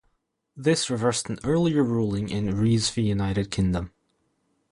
This reversed an earlier ruling in "Rees v United Kingdom".